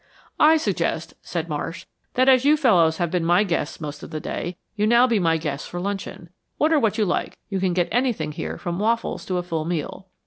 "I suggest," said Marsh, "that as you fellows have been my guests most of the day, you now be my guests for luncheon. Order what you like. You can get anything here from waffles to a full meal."